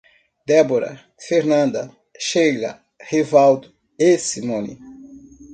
Débora, Fernanda, Sheila, Rivaldo e Simone